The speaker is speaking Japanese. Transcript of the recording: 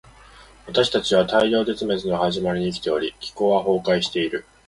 私たちは大量絶滅の始まりに生きており、気候は崩壊している。